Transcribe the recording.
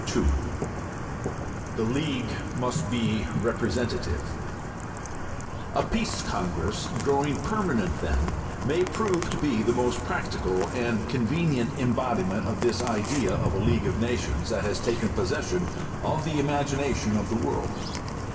II THE LEAGUE MUST BE REPRESENTATIVE A Peace Congress, growing permanent, then, may prove to be the most practical and convenient embodiment of this idea of a League of Nations that has taken possession of the imagination of the world.